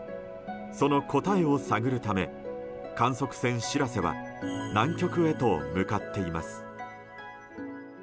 その答えを探るため観測船「しらせ」は南極へと向かっています。